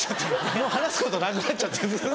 もう話すことなくなっちゃった。